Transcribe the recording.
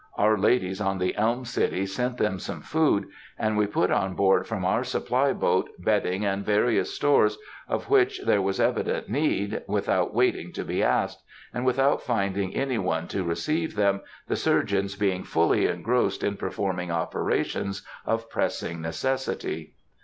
Our ladies on the Elm City sent them some food, and we put on board from our supply boat bedding and various stores, of which there was evident need, without waiting to be asked, and without finding any one to receive them, the surgeons being fully engrossed in performing operations of pressing necessity.